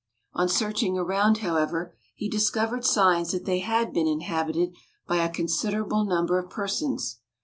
On searching around, however, he discovered signs that they had been inhabited by a considerable number of persons.